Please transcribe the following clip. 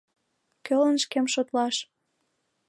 Кӧлан шкем шотлаш?